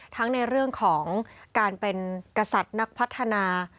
ทั้งในเรื่องของการเป็นกษัตริย์นักพัฒนา